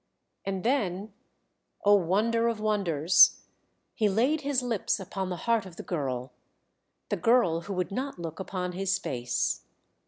And then, oh wonder of wonders, he laid his lips upon the heart of the girl, the girl who would not look upon his face.